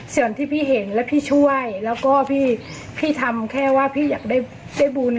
ส่วนที่พี่เห็นแล้วพี่ช่วยแล้วก็พี่ทำแค่ว่าพี่อยากได้บุญ